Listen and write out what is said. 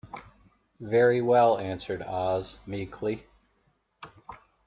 "Very well," answered Oz, meekly.